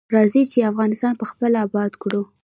راځی چی افغانستان پخپله اباد کړو.